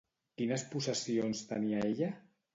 Quines possessions tenia ella?